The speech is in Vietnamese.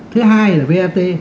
thứ hai là vat